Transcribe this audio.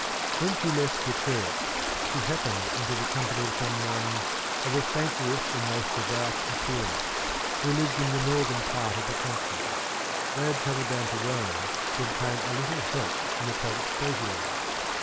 When she left the church, she happened into the company of some nuns of the saintliest and most devout appearance, who lived in the northern part of the country. They had travelled down to Rome to obtain a little help from the Pope's treasury.